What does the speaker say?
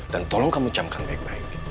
dan tolong kamu camkan baik baik